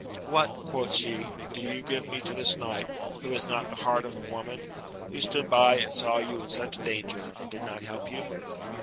What ! quoth she, do you give me to this knight, who has not the heart of a woman % who stood by and saw you in such danger, and did not help you